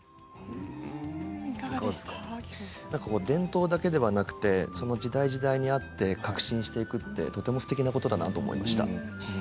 伝統だけではなくてその時代時代に合って革新していくというのはとてもすてきなことだと思いました。